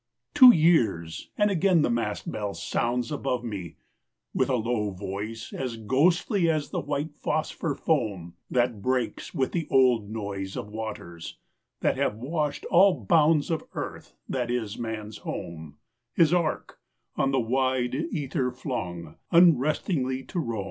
Two years; and again the mast bell sounds Above me with a low voice, As ghostly as the white phosphor foam That breaks with the old noise Of waters that have washed all bounds Of earth, that is man's home His ark on the wide ether flung, Unrestingly to roam.